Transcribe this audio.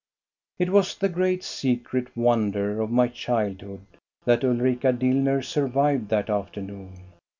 It was the great, secret wonder of my childhood that Ulrika Dillner survived that afternoon.